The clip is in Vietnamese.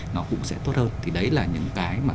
nó cũng sẽ tốt hơn thì đấy là những cái mà